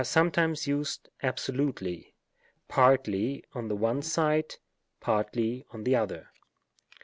207 sometimes used absolutely = partly on the one side, "partly on the other."